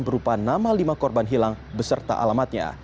berupa nama lima korban hilang beserta alamatnya